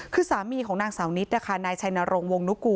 คือสามีของนางสาวนิจนะคะ